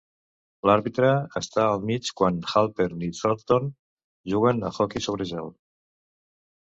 L'àrbitre està al mig quan Halpern i Thornton juguen a hoquei sobre gel.